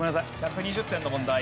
１３０点の問題。